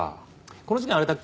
この事件あれだっけ？